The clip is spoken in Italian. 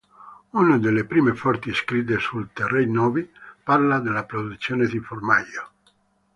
Una delle prime fonti scritte sui Terreni Novi parla della produzione di formaggio.